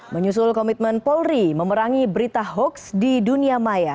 menyusul komitmen polri memerangi berita hoax di dunia maya